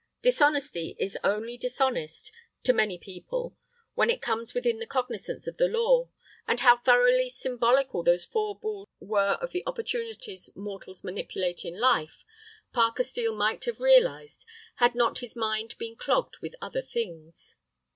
Dishonesty is only dishonest, to many people, when it comes within the cognizance of the law, and how thoroughly symbolical those four balls were of the opportunities mortals manipulate in life, Parker Steel might have realized had not his mind been clogged with other things.